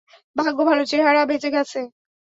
ভাগ্য ভালো, চেহারা বেঁচে গেছে।